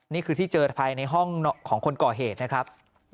นี่คือที่เจอภายในห้องของคนก่อเหตุนะครับ